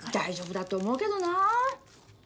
大丈夫だと思うけどな。